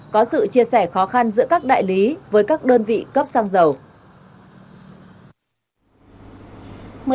có sự chia sẻ khó khăn giữa các đại lý với các đơn vị cấp xăng dầu